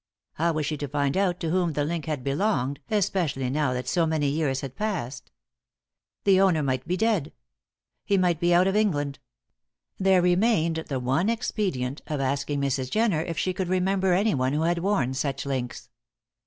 How was she to find out to whom the link had belonged, especially now that so many years had passed? The owner might be dead; he might be out of England! There remained the one expedient of asking Mrs. Jenner if she could remember anyone who had worn such links.